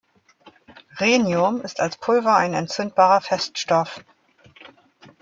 Rhenium ist als Pulver ein entzündbarer Feststoff.